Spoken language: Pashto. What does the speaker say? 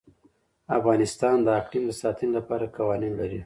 افغانستان د اقلیم د ساتنې لپاره قوانین لري.